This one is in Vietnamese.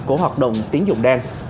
của hoạt động tiếng dụng đen